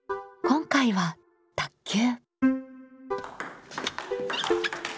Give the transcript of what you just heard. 今回は「卓球」。